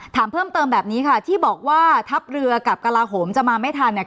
ถามเพิ่มเติมแบบนี้ค่ะที่บอกว่าทัพเรือกับกระลาโหมจะมาไม่ทันเนี่ย